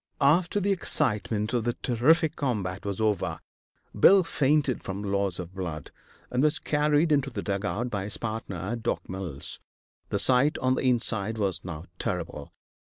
After the excitement of the terrific combat was over, Bill fainted from loss of blood, and was carried into the dugout by his partner, Doc. Mills. The sight on the inside was now terrible.